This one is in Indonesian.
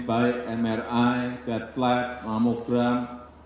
baik mri cat lab mamogram